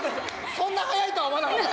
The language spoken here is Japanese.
そんな速いとは思わなかった。